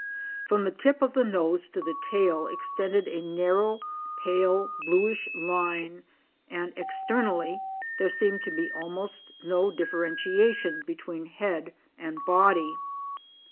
From the tip of the nose to the tail extended a narrow, pale bluish line and exter nally there seemed to be almost no differentiation between head and body.